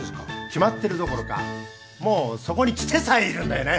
決まってるどころかもうそこに来てさえいるんだよね。